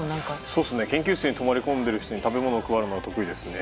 そうっすね、研究室に泊まり込んでる人に食べ物を配るのは得意ですね。